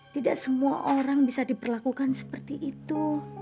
tidak semua orang bisa diperlakukan seperti itu